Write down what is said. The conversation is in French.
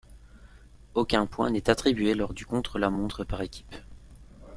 Aucun point n'est attribué lors du contre-la-montre par équipes.